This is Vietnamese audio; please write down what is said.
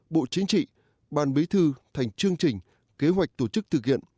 bộ chính trị ban bí thư thành chương trình kế hoạch tổ chức thực hiện